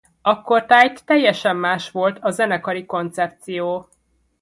Akkortájt teljesen más volt a zenekari koncepció.